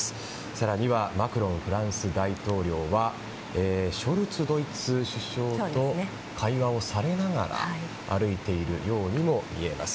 更にはマクロン、フランス大統領はショルツドイツ首相と会話をされながら歩いているようにも見えます。